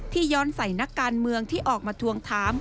ย้อนใส่นักการเมืองที่ออกมาทวงถาม